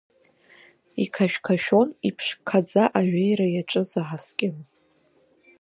Иқашә-қашәон иԥшқаӡа аҩеира иаҿыз аҳаскьын.